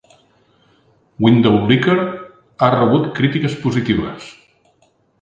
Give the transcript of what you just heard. "Windowlicker" ha rebut crítiques positives.